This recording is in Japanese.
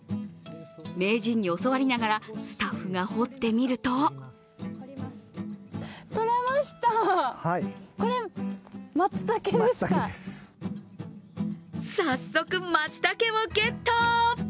名人に教わりながら、スタッフが掘ってみると早速、松茸をゲット。